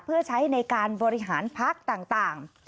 เพื่อใช้ในการบริหารพักต่าง